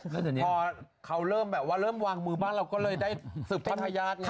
แต่พอเขาเริ่มแบบว่าเริ่มวางมือบ้านเราก็เลยได้สืบทอดญาติไง